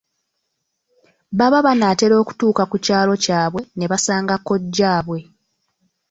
Baba banaatera okutuuka ku kyalo kyabwe ne basanga kojjaabwe.